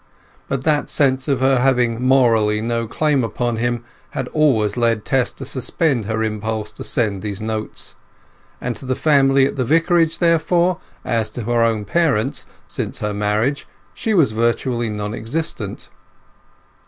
But that sense of her having morally no claim upon him had always led Tess to suspend her impulse to send these notes; and to the family at the Vicarage, therefore, as to her own parents since her marriage, she was virtually non existent.